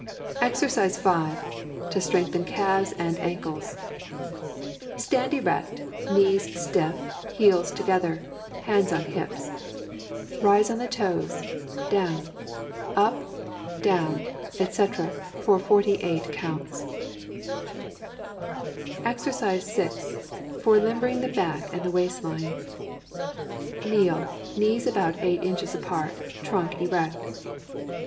EXERCISE 5. To strengthen calves and ankles. Stand erect, knees stiff, heels together, hands on hips. Rise on the toes; down, up, down, etc., for 48 counts. [Illustration: EXERCISE 6. For limbering the back and the waist line.] Kneel, knees about eight inches apart, trunk erect.